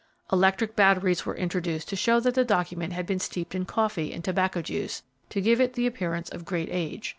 Electric batteries were introduced to show that the document had been steeped in coffee and tobacco juice to give it the appearance of great age.